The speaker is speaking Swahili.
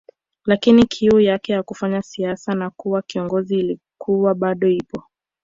Lakini kiu yake ya kufanya siasa na kuwa kiongozi ilikuwa bado ipo